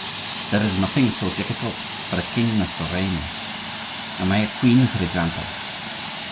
There is nothing so difficult for a king as to reign. Am I a queen, for example?